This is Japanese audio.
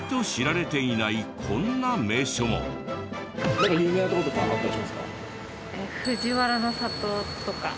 何か有名なとことかあったりしますか？